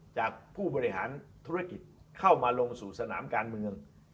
จากผู้บริหารธุรกิจเข้ามาลงสู่สนามการเมือง